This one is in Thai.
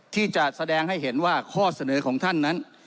ที่จะแสดงให้เห็นว่าข้อเสนอของท่านนั้น